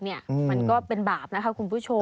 มันก็เป็นบาปนะคะคุณผู้ชม